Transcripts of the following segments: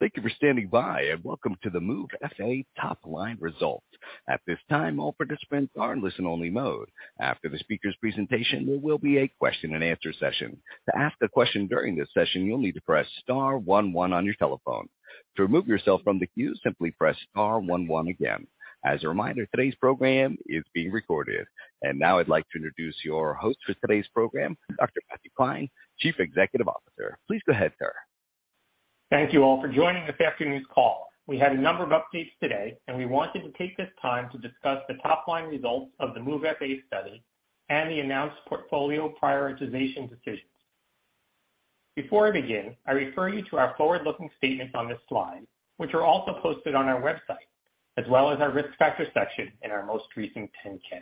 Thank you for standing by and welcome to the MOVE-FA top line results. At this time, all participants are in listen only mode. After the speaker's presentation, there will be a question and answer session. To ask a question during this session, you'll need to press star one one on your telephone. To remove yourself from the queue, simply press star one one again. As a reminder, today's program is being recorded. Now I'd like to introduce your host for today's program, Dr. Matthew Klein, Chief Executive Officer. Please go ahead, sir. Thank you all for joining this afternoon's call. We had a number of updates today, and we wanted to take this time to discuss the top line results of the MOVE-FA study and the announced portfolio prioritization decisions. Before I begin, I refer you to our forward-looking statements on this slide, which are also posted on our website, as well as our risk factor section in our most recent Form 10-K.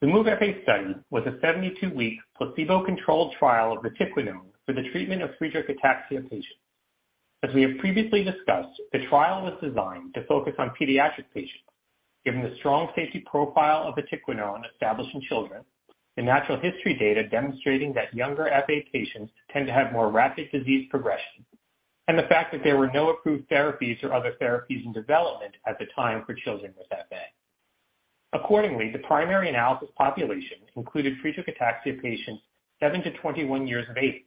The MOVE-FA study was a 72-week placebo-controlled trial of vatiquinone for the treatment of Friedreich's ataxia patients. As we have previously discussed, the trial was designed to focus on pediatric patients, given the strong safety profile of vatiquinone established in children. The natural history data demonstrating that younger FA patients tend to have more rapid disease progression and the fact that there were no approved therapies or other therapies in development at the time for children with FA. Accordingly, the primary analysis population included Friedreich's ataxia patients 7-21 years of age.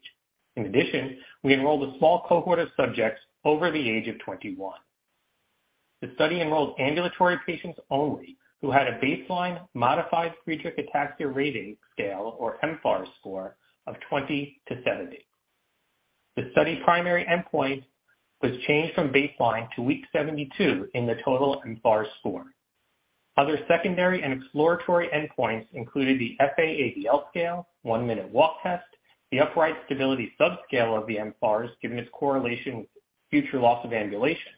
In addition, we enrolled a small cohort of subjects over the age of 21. The study enrolled ambulatory patients only who had a baseline Modified Friedreich Ataxia Rating Scale, or mFARS score of 20-70. The study's primary endpoint was changed from baseline to week 72 in the total mFARS score. Other secondary and exploratory endpoints included the FA-ADL scale, one-minute walk test, the upright stability subscale of the mFARS, given its correlation with future loss of ambulation,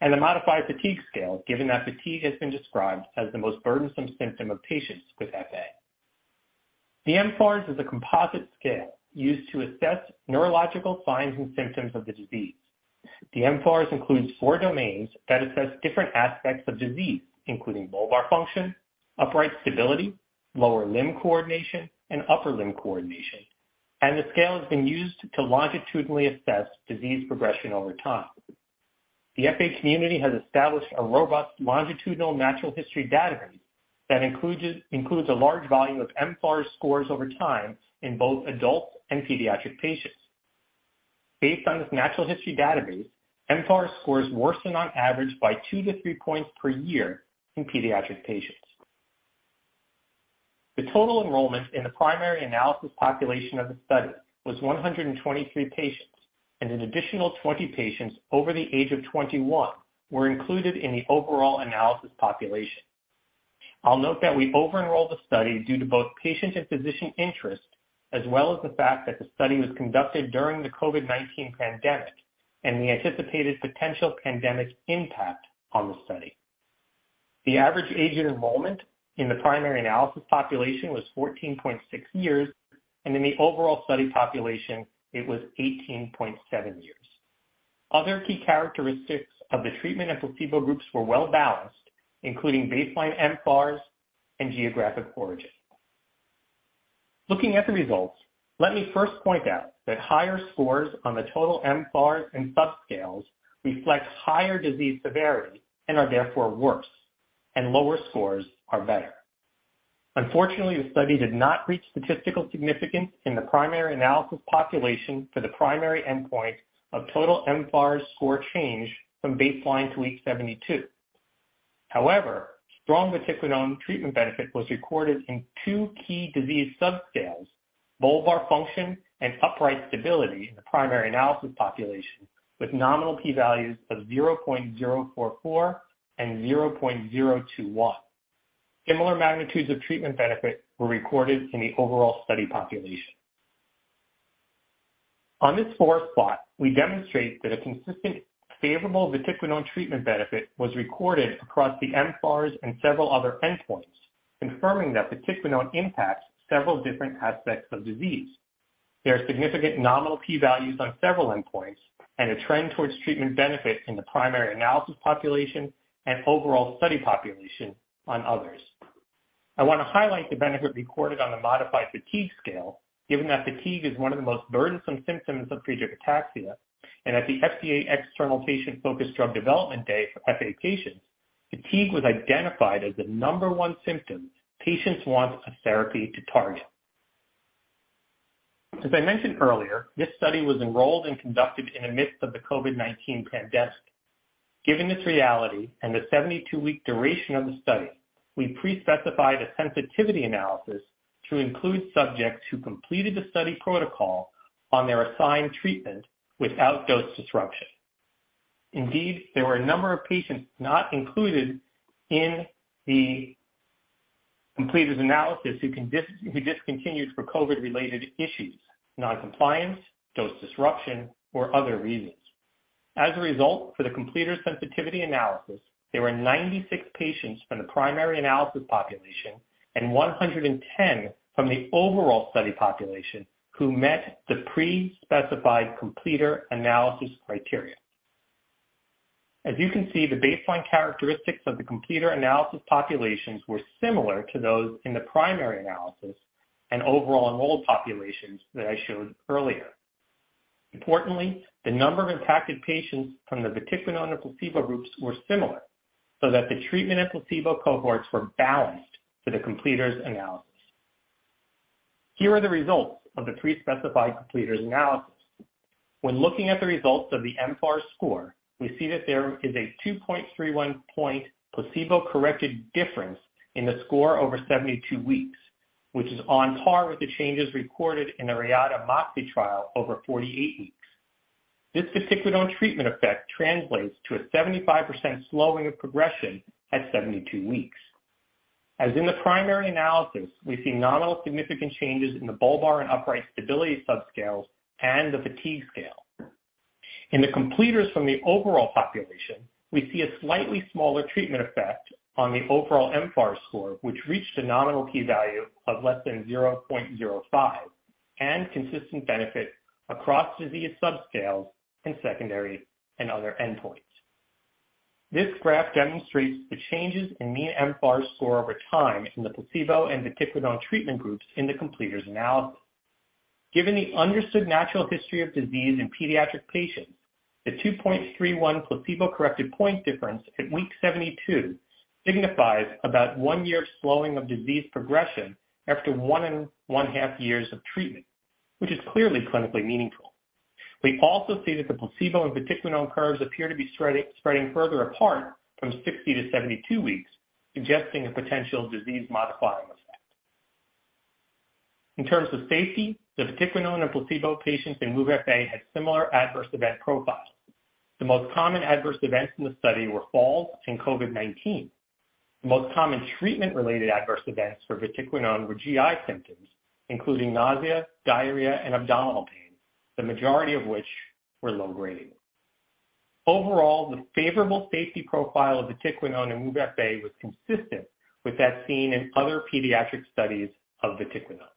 and the modified fatigue scale, given that fatigue has been described as the most burdensome symptom of patients with FA. The mFARS is a composite scale used to assess neurological signs and symptoms of the disease. The mFARS includes four domains that assess different aspects of disease, including bulbar function, upright stability, lower limb coordination, and upper limb coordination. The scale has been used to longitudinally assess disease progression over time. The FA community has established a robust longitudinal natural history database that includes a large volume of mFARS scores over time in both adult and pediatric patients. Based on this natural history database, mFARS scores worsened on average by two to three points per year in pediatric patients. The total enrollment in the primary analysis population of the study was 123 patients, and an additional 20 patients over the age of 21 were included in the overall analysis population. I'll note that we over-enrolled the study due to both patient and physician interest, as well as the fact that the study was conducted during the COVID-19 pandemic and we anticipated potential pandemic impact on the study. The average age at enrollment in the primary analysis population was 14.6 years, and in the overall study population it was 18.7 years. Other key characteristics of the treatment and placebo groups were well balanced, including baseline mFARS and geographic origin. Looking at the results, let me first point out that higher scores on the total mFARS and subscales reflect higher disease severity and are therefore worse and lower scores are better. Unfortunately, the study did not reach statistical significance in the primary analysis population for the primary endpoint of total mFARS score change from baseline to week 72. Strong vatiquinone treatment benefit was recorded in two key disease subscales bulbar function and upright stability in the primary analysis population with nominal P values of 0.044 and 0.021. Similar magnitudes of treatment benefit were recorded in the overall study population. On this fourth spot, we demonstrate that a consistent favorable vatiquinone treatment benefit was recorded across the mFARS and several other endpoints, confirming that vatiquinone impacts several different aspects of disease. There are significant nominal P values on several endpoints and a trend towards treatment benefit in the primary analysis population and overall study population on others. I want to highlight the benefit recorded on the modified fatigue scale, given that fatigue is one of the most burdensome symptoms of Friedreich's ataxia and that the FDA external patient focused drug development day for FA patients, fatigue was identified as the number one symptom patients want a therapy to target. As I mentioned earlier, this study was enrolled and conducted in the midst of the COVID-19 pandemic. Given this reality and the 72 week duration of the study, we pre-specified a sensitivity analysis to include subjects who completed the study protocol on their assigned treatment without dose disruption. Indeed, there were a number of patients not included in the completers analysis who discontinued for COVID related issues, non-compliance, dose disruption or other reasons. For the completers sensitivity analysis, there were 96 patients from the primary analysis population and 110 from the overall study population who met the pre-specified completer analysis criteria. The baseline characteristics of the completer analysis populations were similar to those in the primary analysis and overall enrolled populations that I showed earlier. The number of impacted patients from the vatiquinone and placebo groups were similar, so that the treatment and placebo cohorts were balanced for the completers analysis. Here are the results of the pre-specified completers analysis. When looking at the results of the mFARS score, we see that there is a 2.31 point placebo-corrected difference in the score over 72 weeks, which is on par with the changes recorded in the Reata MOXIe trial over 48 weeks. This vatiquinone treatment effect translates to a 75% slowing of progression at 72 weeks. As in the primary analysis, we see nominal significant changes in the bulbar and upright stability subscales and the fatigue scale. In the completers from the overall population, we see a slightly smaller treatment effect on the overall mFARS score, which reached a nominal P value of less than 0.05 and consistent benefit across disease subscales and secondary and other endpoints. This graph demonstrates the changes in mean mFARS score over time in the placebo and vatiquinone treatment groups in the completers analysis. Given the understood natural history of disease in pediatric patients, the 2.31 placebo-corrected point difference at week 72 signifies about one year of slowing of disease progression after one and one-half years of treatment, which is clearly clinically meaningful. We also see that the placebo and vatiquinone curves appear to be spreading further apart from 60 to 72 weeks, suggesting a potential disease-modifying effect. In terms of safety, the vatiquinone and placebo patients in MOVE-FA had similar adverse event profiles. The most common adverse events in the study were falls and COVID-19. The most common treatment-related adverse events for vatiquinone were GI symptoms, including nausea, diarrhea, and abdominal pain, the majority of which were low-grade. Overall, the favorable safety profile of vatiquinone in MOVE-FA was consistent with that seen in other pediatric studies of vatiquinone.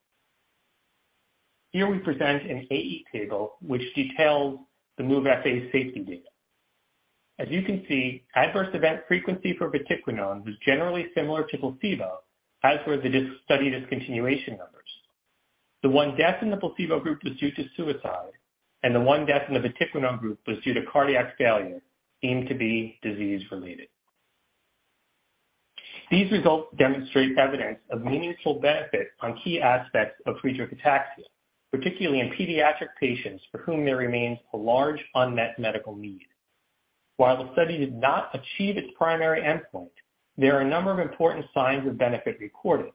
Here we present an AE table which details the MOVE-FA safety data. As you can see, adverse event frequency for vatiquinone was generally similar to placebo, as were the study discontinuation numbers. The one death in the placebo group was due to suicide, and the one death in the vatiquinone group was due to cardiac failure deemed to be disease-related. These results demonstrate evidence of meaningful benefit on key aspects of Friedreich's ataxia, particularly in pediatric patients for whom there remains a large unmet medical need. While the study did not achieve its primary endpoint, there are a number of important signs of benefit recorded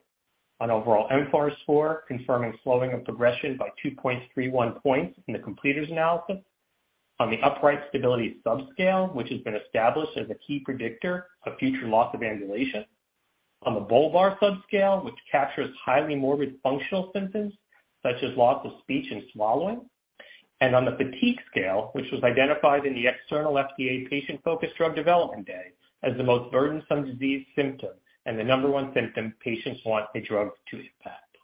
on overall mFARS score, confirming slowing of progression by 2.31 points in the completers analysis. On the upright stability subscale, which has been established as a key predictor of future loss of ambulation. On the bulbar subscale, which captures highly morbid functional symptoms such as loss of speech and swallowing. On the fatigue scale, which was identified in the external FDA patient-focused drug development day as the most burdensome disease symptom and the number one symptom patients want a drug to impact.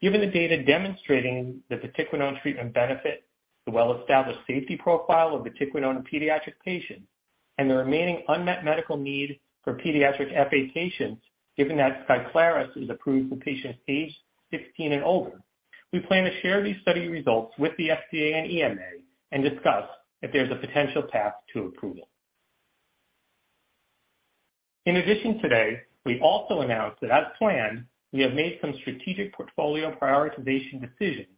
Given the data demonstrating the vatiquinone treatment benefit, the well-established safety profile of vatiquinone in pediatric patients and the remaining unmet medical need for pediatric FA patients, given that SKYCLARYS is approved for patients aged 15 and older, we plan to share these study results with the FDA and EMA and discuss if there's a potential path to approval. In addition today, we also announced that as planned, we have made some strategic portfolio prioritization decisions,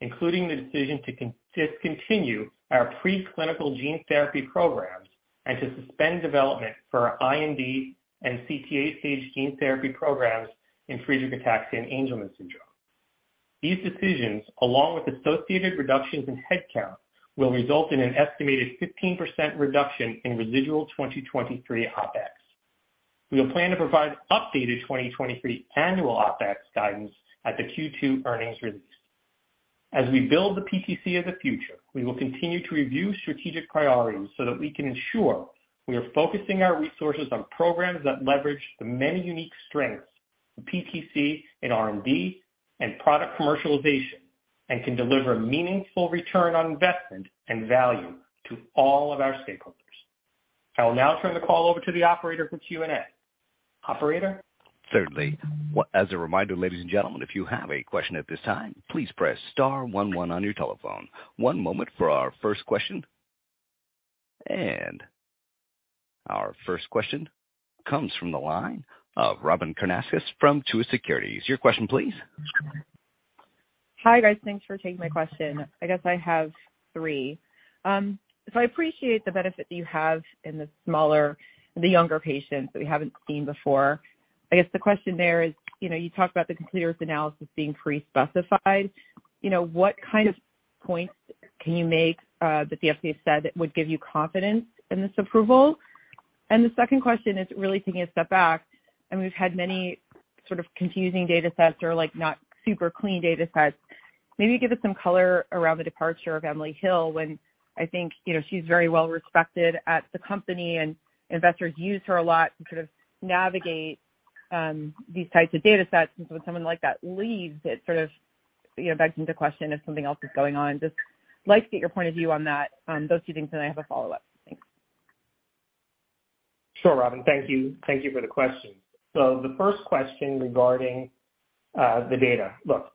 including the decision to discontinue our pre-clinical gene therapy programs and to suspend development for our IND and CTA stage gene therapy programs in Friedreich's ataxia and Angelman syndrome. These decisions, along with associated reductions in headcount, will result in an estimated 15% reduction in residual 2023 OpEx. We will plan to provide updated 2023 annual OpEx guidance at the Q2 earnings release. As we build the PTC of the future, we will continue to review strategic priorities so that we can ensure we are focusing our resources on programs that leverage the many unique strengths of PTC in R&D and product commercialization and can deliver meaningful return on investment and value to all of our stakeholders. I will now turn the call over to the operator for Q&A. Operator? Certainly. As a reminder, ladies and gentlemen, if you have a question at this time, please press star one one on your telephone. One moment for our first question. Our first question comes from the line of Robyn Karnauskas from Truist Securities. Your question please. Hi, guys. Thanks for taking my question. I guess I have three. I appreciate the benefit that you have in the younger patients that we haven't seen before. I guess the question there is, you know, you talked about the completers analysis being pre-specified. You know, what kind of points can you make that the FDA said would give you confidence in this approval? The second question is really taking a step back and we've had many sort of confusing data sets or like not super clean data sets. Maybe give us some color around the departure of Emily Hill when I think, you know, she's very well respected at the company and investors use her a lot to sort of navigate these types of data sets. When someone like that leaves, it sort of, you know, begs into question if something else is going on. Just like to get your point of view on that, on those two things, and I have a follow-up. Thanks. Sure, Robyn. Thank you. Thank you for the question. The first question regarding the data. Look,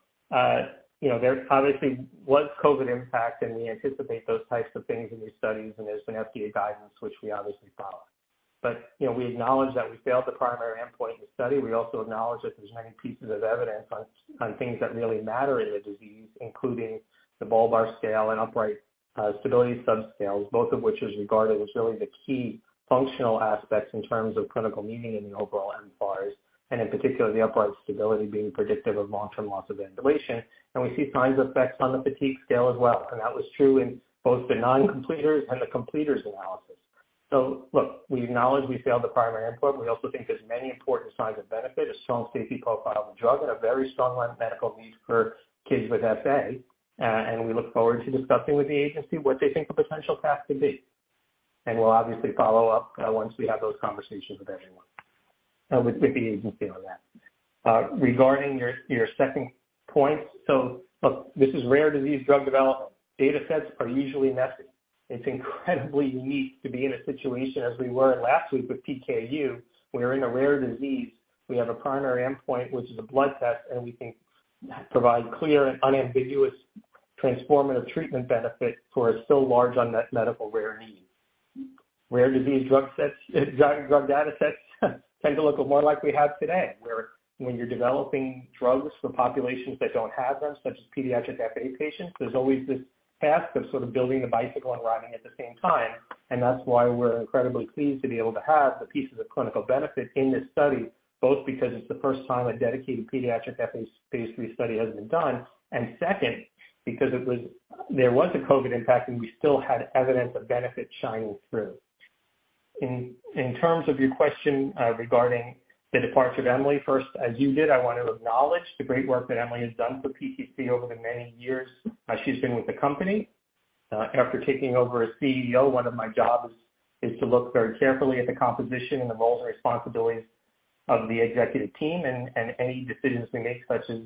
you know, there obviously was COVID impact, and we anticipate those types of things in these studies, and there's been FDA guidance, which we obviously follow. You know, we acknowledge that we failed the primary endpoint in the study. We also acknowledge that there's many pieces of evidence on things that really matter in the disease, including the bulbar scale and upright stability subscales, both of which is regarded as really the key functional aspects in terms of clinical meaning in the overall mFARS. In particular, the upright stability being predictive of long-term loss of ventilation. We see signs of effects on the fatigue scale as well. That was true in both the non-completers and the completers analysis. Look, we acknowledge we failed the primary endpoint. We also think there's many important signs of benefit, a strong safety profile of the drug and a very strong unmet medical need for kids with FA. We look forward to discussing with the agency what they think the potential path could be. We'll obviously follow up once we have those conversations with everyone, with the agency on that. Regarding your second point, look, this is rare disease drug development. Data sets are usually messy. It's incredibly unique to be in a situation as we were last week with PKU, where in a rare disease we have a primary endpoint, which is a blood test, and we can provide clear and unambiguous transformative treatment benefit for a still large unmet medical rare need. Rare disease drug sets, drug data sets tend to look more like we have today, where when you're developing drugs for populations that don't have them, such as pediatric FA patients, there's always this task of sort of building the bicycle and riding at the same time. That's why we're incredibly pleased to be able to have the pieces of clinical benefit in this study, both because it's the first time a dedicated pediatric FA Phase 3 study has been done and second, because there was a COVID impact, and we still had evidence of benefit shining through. In terms of your question regarding the departure of Emily, first, as you did, I want to acknowledge the great work that Emily has done for PTC over the many years she's been with the company. After taking over as CEO, one of my jobs is to look very carefully at the composition and the roles and responsibilities of the executive team and any decisions we make, such as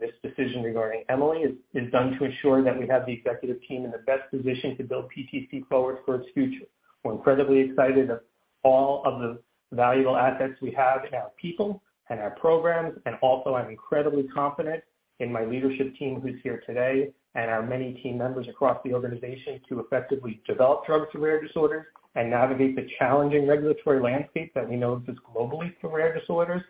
this decision regarding Emily, is done to ensure that we have the executive team in the best position to build PTC forward for its future. We're incredibly excited of all of the valuable assets we have in our people and our programs, and also I'm incredibly confident in my leadership team who's here today and our many team members across the organization to effectively develop drugs for rare disorders and navigate the challenging regulatory landscape that we know exists globally for rare disorders.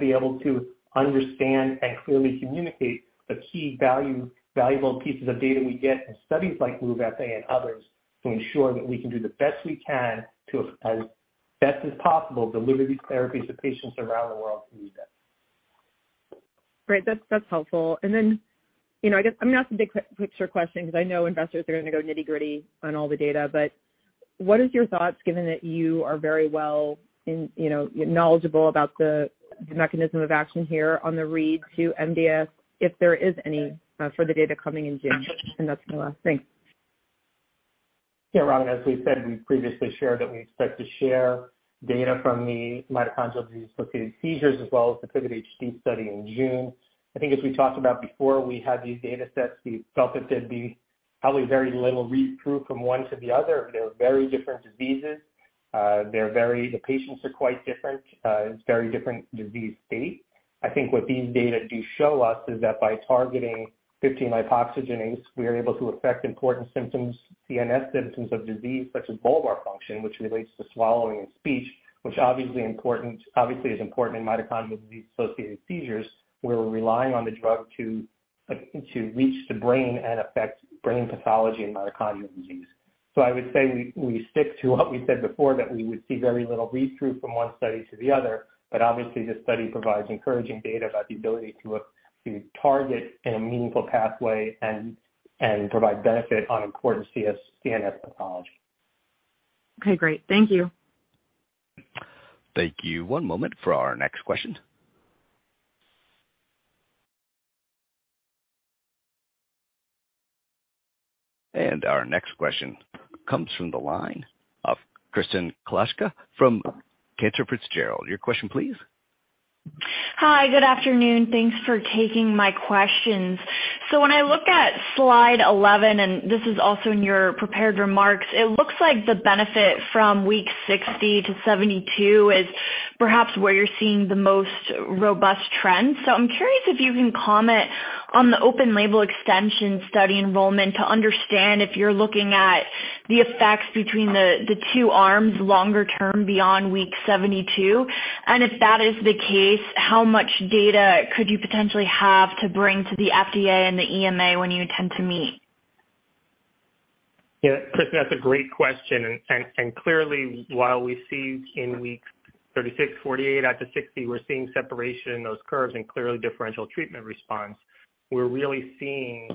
Be able to understand and clearly communicate the valuable pieces of data we get from studies like MOVE-FA and others to ensure that we can do the best we can to as best as possible deliver these therapies to patients around the world who need them. Great. That's, that's helpful. Then, you know, I guess I'm gonna ask the big picture question because I know investors are gonna go nitty-gritty on all the data. What is your thoughts, given that you are very well in, you know, knowledgeable about the mechanism of action here on the read to MDS, if there is any, for the data coming in June? That's my last thing. Robyn, as we said, we previously shared that we expect to share data from the mitochondrial disease-associated seizures as well as the PIVOT-HD study in June. I think as we talked about before, we have these data sets, we felt it'd be probably very little read-through from one to the other. They're very different diseases. They're very the patients are quite different. It's very different disease state. I think what these data do show us is that by targeting 15-lipoxygenase, we are able to affect important symptoms, CNS symptoms of disease such as bulbar function, which relates to swallowing and speech, which obviously is important in mitochondrial disease-associated seizures, where we're relying on the drug to reach the brain and affect brain pathology and mitochondrial disease. I would say we stick to what we said before, that we would see very little read-through from one study to the other. Obviously this study provides encouraging data about the ability to target in a meaningful pathway and provide benefit on important CNS pathology. Okay, great. Thank you. Thank you. One moment for our next question. Our next question comes from the line of Kristen Kluska from Cantor Fitzgerald. Your question please. Hi, good afternoon. Thanks for taking my questions. When I look at slide 11, and this is also in your prepared remarks, it looks like the benefit from week 60 to 72 is perhaps where you're seeing the most robust trends. I'm curious if you can comment on the open label extension study enrollment to understand if you're looking at the effects between the two arms longer term beyond week 72. If that is the case, how much data could you potentially have to bring to the FDA and the EMA when you intend to meet? Yeah, Kristin, that's a great question. Clearly, while we see in weeks 36, 48 out to 60, we're seeing separation in those curves and clearly differential treatment response. We're really seeing,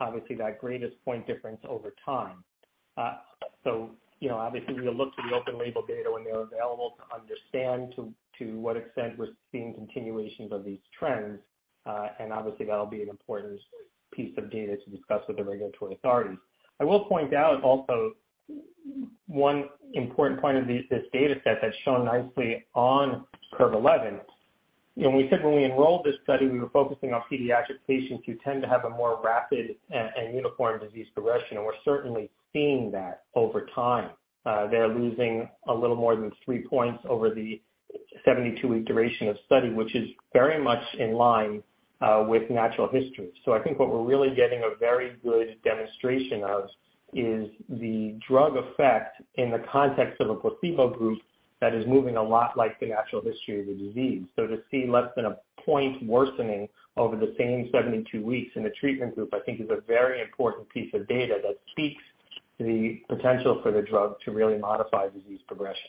obviously that greatest point difference over time. You know, obviously, we'll look to the open label data when they're available to understand to what extent we're seeing continuations of these trends. Obviously, that'll be an important piece of data to discuss with the regulatory authorities. I will point out also, one important point of this data set that's shown nicely on curve 11. You know, when we said when we enrolled this study, we were focusing on pediatric patients who tend to have a more rapid and uniform disease progression, and we're certainly seeing that over time. They're losing a little more than three points over the 72-week duration of study, which is very much in line with natural history. I think what we're really getting a very good demonstration of is the drug effect in the context of a placebo group that is moving a lot like the natural history of the disease. To see less than one point worsening over the same 72 weeks in the treatment group, I think, is a very important piece of data that speaks to the potential for the drug to really modify disease progression.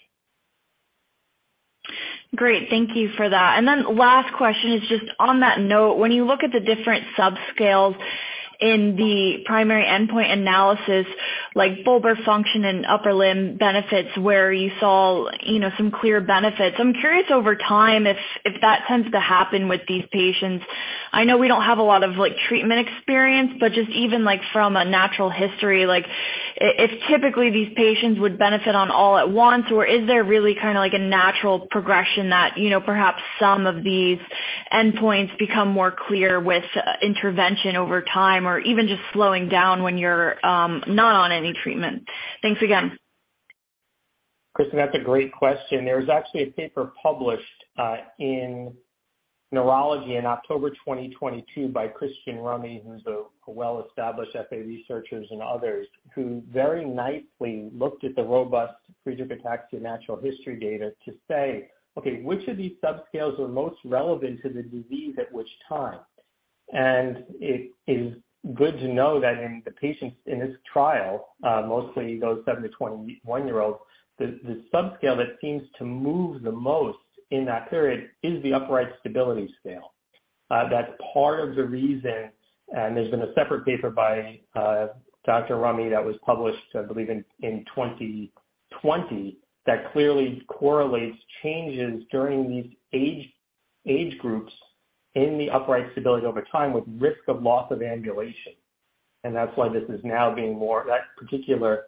Great. Thank you for that. Last question is just on that note. When you look at the different subscales in the primary endpoint analysis, like bulbar function and upper limb benefits, where you saw, you know, some clear benefits, I'm curious over time if that tends to happen with these patients. I know we don't have a lot of, like, treatment experience, but just even, like, from a natural history, like, if typically these patients would benefit on All At Once or is there really kind of like a natural progression that, you know, perhaps some of these endpoints become more clear with intervention over time or even just slowing down when you're not on any treatment? Thanks again. Kristen, that's a great question. There was actually a paper published in Neurology in October 2022 by Christian Rummey, who's a well-established FA researcher, and others who very nicely looked at the robust Friedreich's ataxia natural history data to say, "Okay, which of these subscales are most relevant to the disease at which time?" It is good to know that in the patients in this trial, mostly those 7- to 21-year-olds, the subscale that seems to move the most in that period is the upright stability scale. That's part of the reason, and there's been a separate paper by Dr. Rummey that was published, I believe in 2020, that clearly correlates changes during these age groups in the upright stability over time with risk of loss of ambulation. That's why this is now being that particular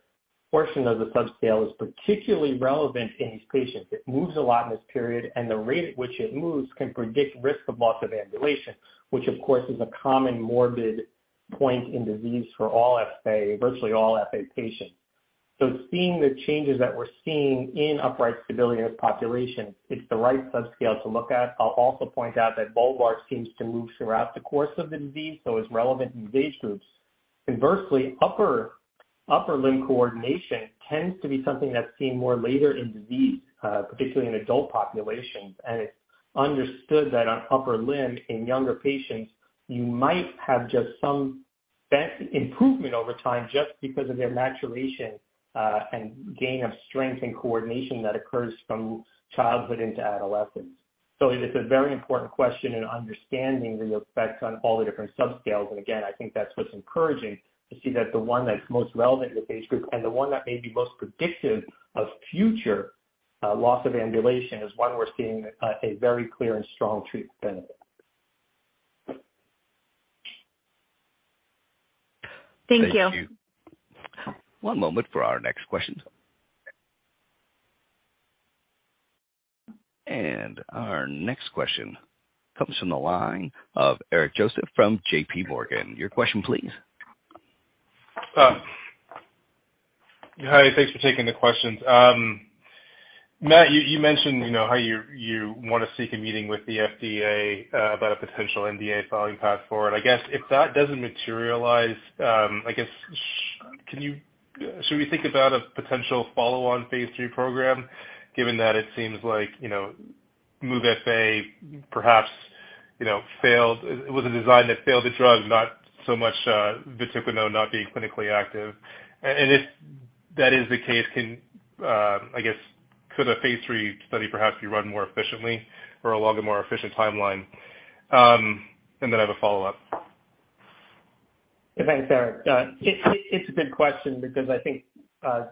portion of the subscale is particularly relevant in these patients. It moves a lot in this period, and the rate at which it moves can predict risk of loss of ambulation, which of course is a common morbid point in disease for all FA, virtually all FA patients. Seeing the changes that we're seeing in upright stability in this population, it's the right subscale to look at. I'll also point out that bulbar seems to move throughout the course of the disease, so it's relevant in these age groups. Inversely, upper limb coordination tends to be something that's seen more later in disease, particularly in adult populations. It's understood that on upper limb in younger patients, you might have just some improvement over time just because of their maturation and gain of strength and coordination that occurs from childhood into adolescence. It's a very important question in understanding the effects on all the different subscales. Again, I think that's what's encouraging to see that the one that's most relevant in this age group and the one that may be most predictive of future loss of ambulation is one we're seeing a very clear and strong treatment benefit. Thank you. Thank you. One moment for our next question. Our next question comes from the line of Eric Joseph from JPMorgan. Your question please. Hi. Thanks for taking the questions. Matt, you mentioned, you know, how you wanna seek a meeting with the FDA about a potential NDA filing path forward. I guess if that doesn't materialize, I guess should we think about a potential follow-on Phase 3 program, given that it seems like, you know, MOVE-FA perhaps, you know, failed... It was a design that failed the drug, not so much vatiquinone not being clinically active. If that is the case, can... I guess could a Phase 3 study perhaps be run more efficiently or along a more efficient timeline? I have a follow-up. Yeah. Thanks, Eric. It's a good question because I think,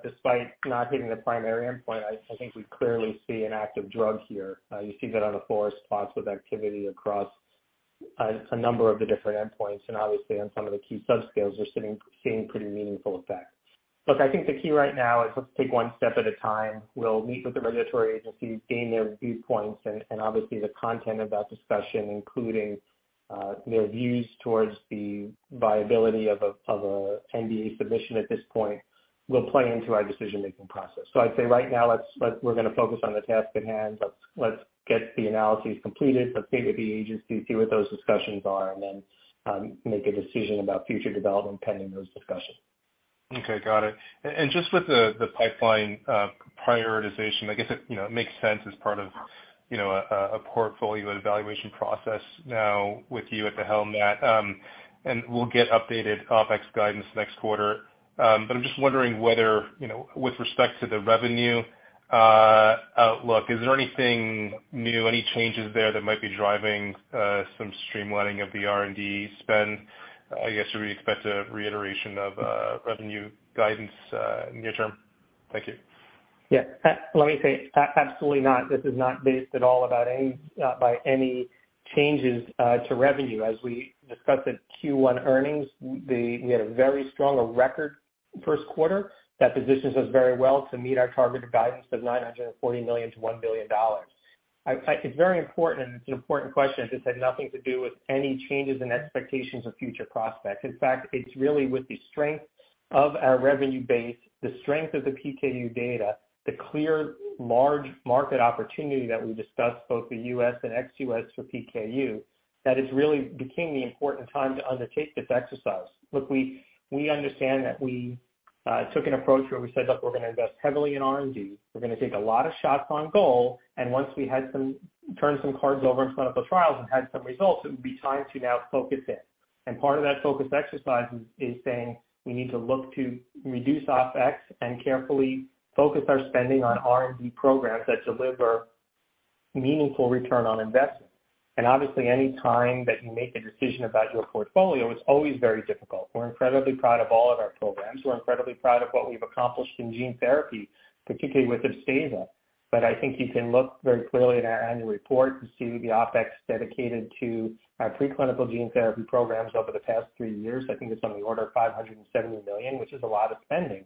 despite not hitting the primary endpoint, I think we clearly see an active drug here. You see that on the four spots with activity across a number of the different endpoints, and obviously on some of the key subscales we're seeing pretty meaningful effects. Look, I think the key right now is let's take one step at a time. We'll meet with the regulatory agencies, gain their viewpoints and obviously the content of that discussion, including their views towards the viability of a NDA submission at this point, will play into our decision-making process. I'd say right now we're gonna focus on the task at hand. Let's get the analyses completed. Let's meet with the agency, see what those discussions are, and then, make a decision about future development pending those discussions. Okay. Got it. And just with the pipeline prioritization, I guess it, you know, it makes sense as part of, you know, a portfolio and evaluation process now with you at the helm, Matt. We'll get updated OpEx guidance next quarter. I'm just wondering whether, you know, with respect to the revenue outlook, is there anything new, any changes there that might be driving some streamlining of the R&D spend? I guess, should we expect a reiteration of revenue guidance near term? Thank you. Yeah. Let me say absolutely not. This is not based at all about any by any changes to revenue. As we discussed at Q1 earnings, we had a very strong, a record first quarter that positions us very well to meet our targeted guidance of $940 million to $1 billion. It's very important, and it's an important question. This had nothing to do with any changes in expectations of future prospects. In fact, it's really with the strength of our revenue base, the strength of the PKU data, the clear large market opportunity that we discussed, both the U.S. and ex-U.S. for PKU, that it's really became the important time to undertake this exercise. Look, we understand that we took an approach where we said, "Look, we're gonna invest heavily in R&D. We're gonna take a lot of shots on goal. Once we had turned some cards over in clinical trials and had some results, it would be time to now focus in. Part of that focus exercise is saying we need to look to reduce OpEx and carefully focus our spending on R&D programs that deliver meaningful return on investment. Obviously, any time that you make a decision about your portfolio, it's always very difficult. We're incredibly proud of all of our programs. We're incredibly proud of what we've accomplished in gene therapy, particularly with Upstaza. I think you can look very clearly at our annual report to see the OpEx dedicated to our pre-clinical gene therapy programs over the past three years. I think it's on the order of $570 million, which is a lot of spending.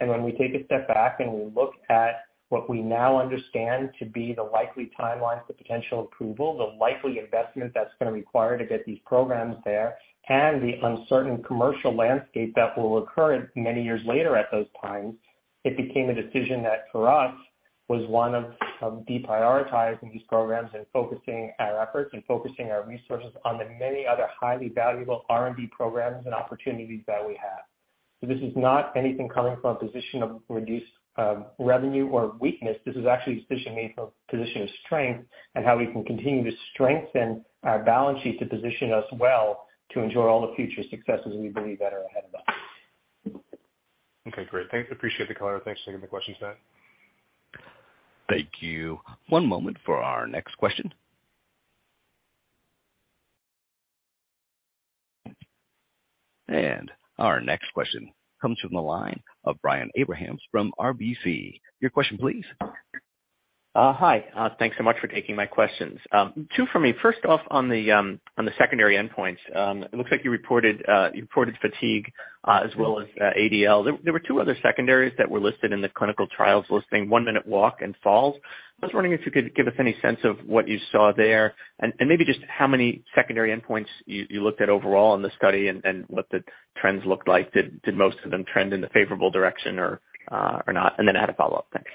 When we take a step back and we look at what we now understand to be the likely timelines for potential approval, the likely investment that's gonna require to get these programs there, and the uncertain commercial landscape that will occur many years later at those times, it became a decision that, for us, was one of deprioritizing these programs and focusing our efforts and focusing our resources on the many other highly valuable R&D programs and opportunities that we have. This is not anything coming from a position of reduced revenue or weakness. This is actually a decision made from a position of strength and how we can continue to strengthen our balance sheet to position us well to enjoy all the future successes we believe that are ahead of us. Okay, great. Thanks. Appreciate the color. Thanks. Taking my questions now. Thank you. One moment for our next question. Our next question comes from the line of Brian Abrahams from RBC. Your question please. Hi. Thanks so much for taking my questions. Two for me. First off, on the on the secondary endpoints, it looks like you reported, you reported fatigue, as well as ADL. There were two other secondaries that were listed in the clinical trials listing 1one minute walk and falls. I was wondering if you could give us any sense of what you saw there and maybe just how many secondary endpoints you looked at overall in the study and what the trends looked like. Did most of them trend in the favorable direction or not? Then I had a follow-up. Thanks.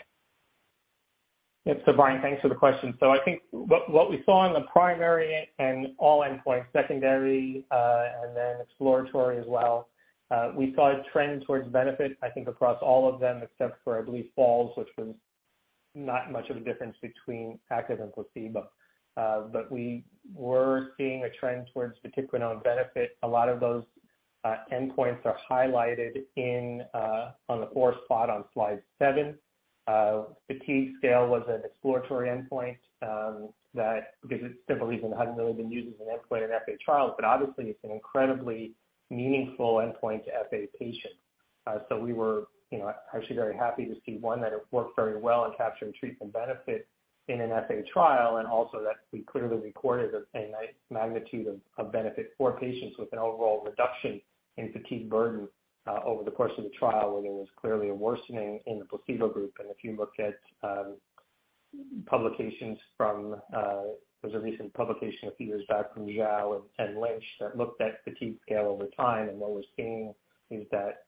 Yeah. Brian, thanks for the question. I think what we saw in the primary and all endpoints, secondary, and then exploratory as well, we saw a trend towards benefit, I think, across all of them, except for, I believe, falls, which was not much of a difference between active and placebo. We were seeing a trend towards particular benefit. A lot of those endpoints are highlighted in on the fourth spot on slide seven. Fatigue scale was an exploratory endpoint that gives a simple reason it hasn't really been used as an endpoint in FA trials, but obviously it's an incredibly meaningful endpoint to FA patients. So we were, you know, actually very happy to see, one, that it worked very well in capturing treatment benefit in an FA trial, and also that we clearly recorded a magnitude of benefit for patients with an overall reduction in fatigue burden over the course of the trial, where there was clearly a worsening in the placebo group. If you look at publications from there's a recent publication a few years back from Lynch and Lynch that looked at fatigue scale over time. What we're seeing is that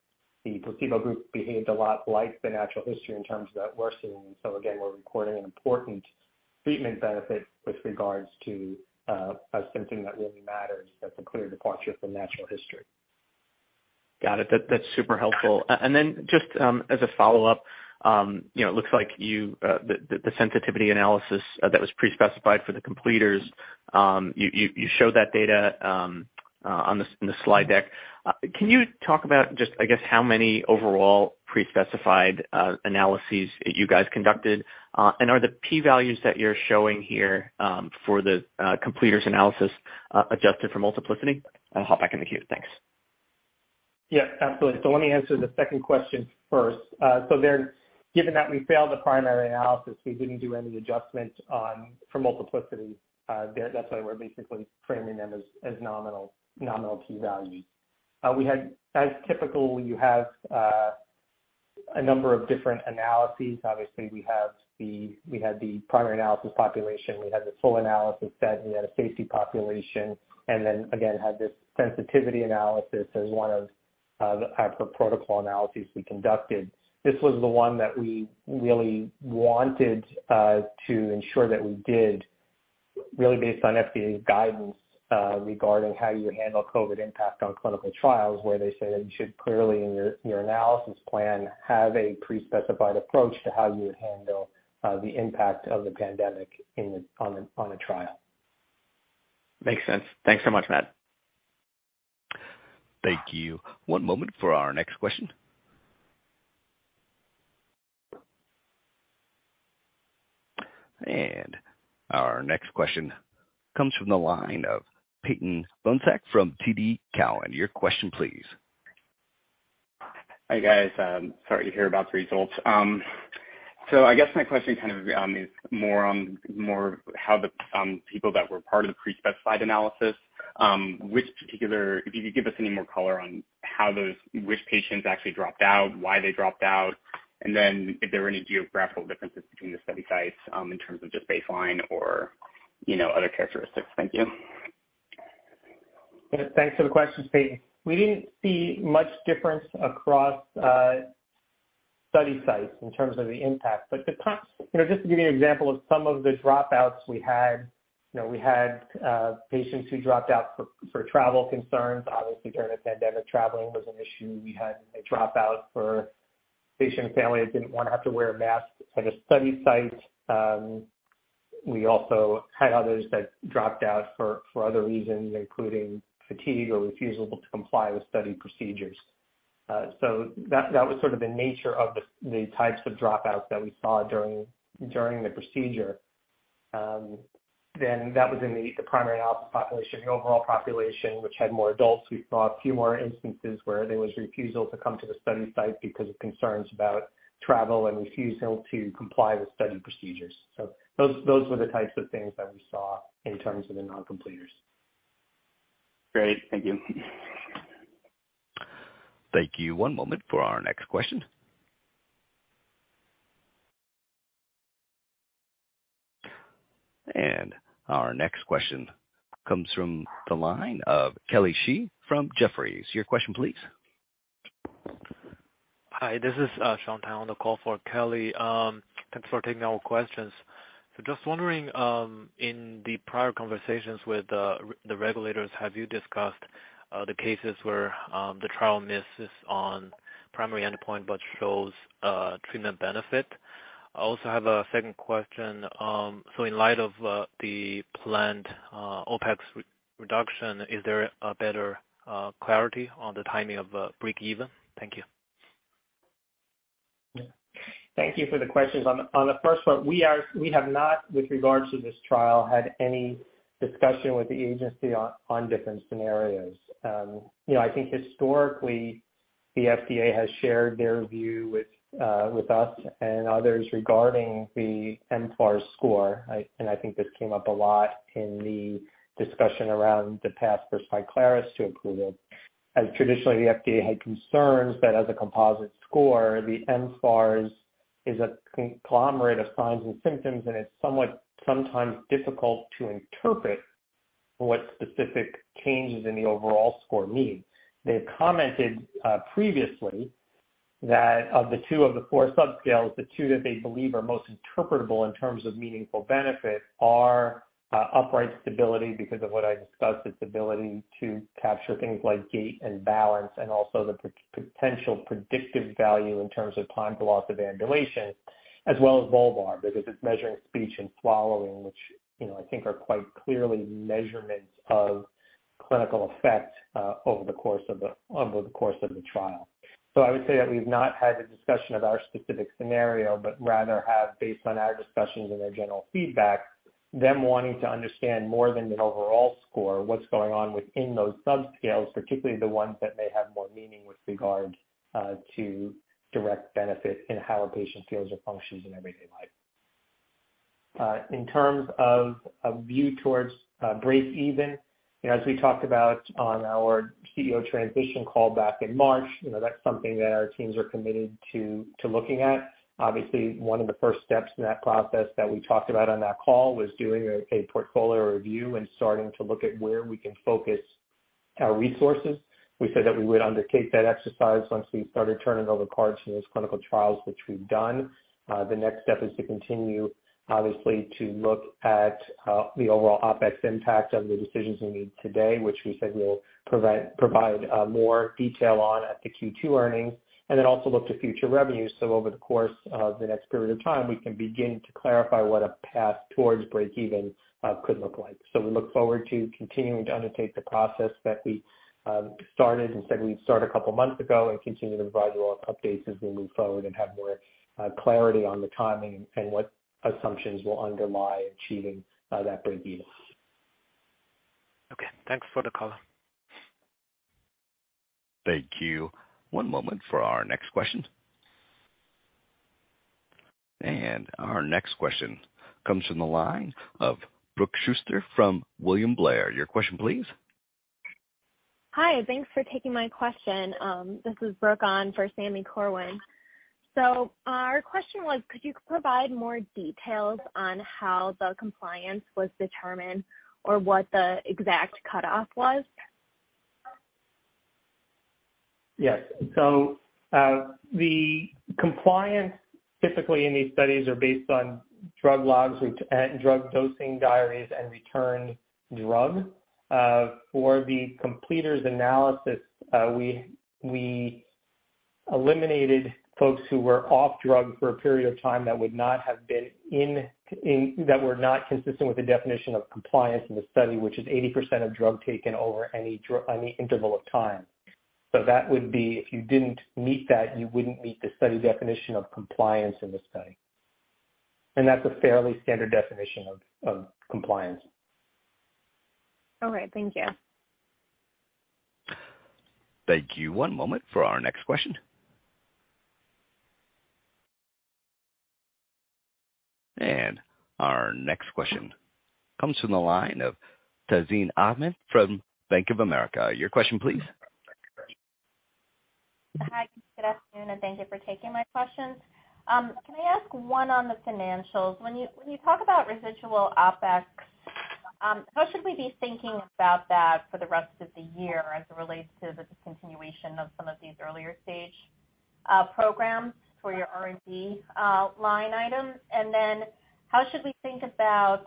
the placebo group behaved a lot like the natural history in terms of that worsening. Again, we're recording an important treatment benefit with regards to a symptom that really matters. That's a clear departure from natural history. Got it. That's super helpful. Then just, as a follow-up, you know, it looks like you, the sensitivity analysis that was pre-specified for the completers, you showed that data on the, in the slide deck. Can you talk about just, I guess, how many overall pre-specified analyses you guys conducted? Are the P values that you're showing here, for the completers analysis, adjusted for multiplicity? I'll hop back in the queue. Thanks. Yeah, absolutely. Let me answer the second question first. Given that we failed the primary analysis, we didn't do any adjustment for multiplicity there. That's why we're basically framing them as nominal P value. As typical, you have a number of different analyses. Obviously, we had the primary analysis population, we had the full analysis set, and we had a safety population, and then, again, had this sensitivity analysis as one of the type of protocol analyses we conducted. This was the one that we really wanted, to ensure that we did, really based on FDA's guidance, regarding how you handle COVID impact on clinical trials, where they say that you should clearly in your analysis plan, have a pre-specified approach to how you would handle, the impact of the pandemic on a trial. Makes sense. Thanks so much, Matt. Thank you. One moment for our next question. Our next question comes from the line of Peyton Bohnsack from TD Cowen. Your question please. Hi, guys. Sorry to hear about the results. I guess my question kind of is more on how the people that were part of the pre-specified analysis, if you could give us any more color on which patients actually dropped out, why they dropped out, and if there were any geographical differences between the study sites, in terms of just baseline or, you know, other characteristics? Thank you. Yeah. Thanks for the question, Peyton. We didn't see much difference across study sites in terms of the impact. You know, just to give you an example of some of the dropouts we had. You know, we had patients who dropped out for travel concerns. Obviously, during the pandemic, traveling was an issue. We had a dropout for patient and family that didn't wanna have to wear a mask at a study site. We also had others that dropped out for other reasons, including fatigue or refusal to comply with study procedures. That was sort of the nature of the types of dropouts that we saw during the procedure. That was in the primary analysis population. The overall population, which had more adults, we saw a few more instances where there was refusal to come to the study site because of concerns about travel and refusal to comply with study procedures. Those were the types of things that we saw in terms of the non-completers. Great. Thank you. Thank you. One moment for our next question. Our next question comes from the line of Kelly Shi from Jefferies. Your question please. Hi, this is Shawn Tan on the call for Kelly. Thanks for taking our questions. Just wondering, in the prior conversations with the regulators, have you discussed the cases where the trial misses on primary endpoint, but shows treatment benefit? I also have a second question. In light of the planned OpEx re-reduction, is there a better clarity on the timing of breakeven? Thank you. Thank you for the questions. On the first one, we have not, with regards to this trial, had any discussion with the agency on different scenarios. you know, I think historically the FDA has shared their view with us and others regarding the mFARS score. I think this came up a lot in the discussion around the path for SKYCLARYS to approval, as traditionally the FDA had concerns that as a composite score, the mFARS is a conglomerate of signs and symptoms, and it's somewhat sometimes difficult to interpret what specific changes in the overall score mean. They've commented, previously that of the two of the four subscales, the two that they believe are most interpretable in terms of meaningful benefit are, upright stability because of what I discussed, its ability to capture things like gait and balance, and also the potential predictive value in terms of time to loss of ambulation, as well as bulbar, because it's measuring speech and swallowing, which, you know, I think are quite clearly measurements of clinical effect, over the course of the trial. I would say that we've not had a discussion of our specific scenario, but rather have, based on our discussions and their general feedback, them wanting to understand more than the overall score, what's going on within those subscales, particularly the ones that may have more meaning with regard to direct benefit in how a patient feels or functions in everyday life. In terms of a view towards breakeven, you know, as we talked about on our CEO transition call back in March, you know, that's something that our teams are committed to looking at. Obviously, one of the first steps in that process that we talked about on that call was doing a portfolio review and starting to look at where we can focus our resources. We said that we would undertake that exercise once we started turning over cards in those clinical trials, which we've done. The next step is to continue, obviously, to look at the overall OpEx impact of the decisions we made today, which we said we'll provide more detail on at the Q2 earnings. Also look to future revenues. Over the course of the next period of time, we can begin to clarify what a path towards breakeven could look like. We look forward to continuing to undertake the process that we started and said we'd start a couple of months ago and continue to provide you all updates as we move forward and have more clarity on the timing and what assumptions will underlie achieving that breakeven. Okay. Thanks for the color. Thank you. One moment for our next question. Our next question comes from the line of Brooke Schuster from William Blair. Your question please. Hi. Thanks for taking my question. This is Brooke on for Sami Corwin. Our question was could you provide more details on how the compliance was determined or what the exact cutoff was? Yes. The compliance typically in these studies are based on drug logs and drug dosing diaries and returned drug. For the completers analysis, we eliminated folks who were off drug for a period of time that would not have been that were not consistent with the definition of compliance in the study, which is 80% of drug taken over any interval of time. That would be if you didn't meet that, you wouldn't meet the study definition of compliance in the study. That's a fairly standard definition of compliance. All right, thank you. Thank you. One moment for our next question. Our next question comes from the line of Tazeen Ahmad from Bank of America. Your question, please. Hi, good afternoon, and thank you for taking my questions. Can I ask one on the financials? When you talk about residual OpEx, how should we be thinking about that for the rest of the year as it relates to the discontinuation of some of these earlier stage programs for your R&D line items? How should we think about,